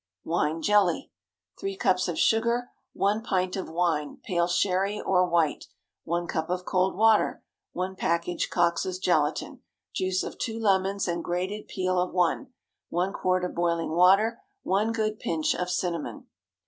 WINE JELLY. ✠ 3 cups of sugar. 1 pint of wine—pale Sherry or White. 1 cup of cold water. 1 package Coxe's gelatine. Juice of two lemons and grated peel of one. 1 quart of boiling water. 1 good pinch of cinnamon.